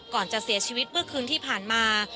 ก่อนจะเสียชีวิตเมื่อคืนที่ผ่านมา